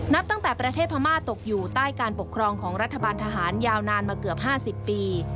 ตั้งแต่ประเทศพม่าตกอยู่ใต้การปกครองของรัฐบาลทหารยาวนานมาเกือบ๕๐ปี